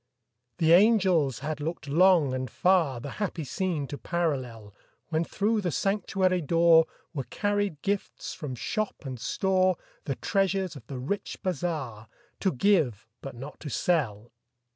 The angels had looked long and far The happy scene to parallel, When through the sanctuary door Were carried gifts from shop and store, The treasures of the rich bazaar, To give but not to sell.